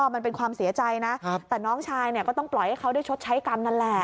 มันเป็นความเสียใจนะแต่น้องชายเนี่ยก็ต้องปล่อยให้เขาได้ชดใช้กรรมนั่นแหละ